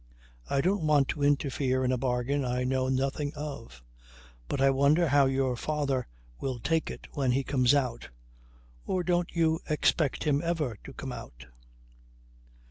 I don't want to interfere in a bargain I know nothing of. But I wonder how your father will take it when he comes out ... or don't you expect him ever to come out?"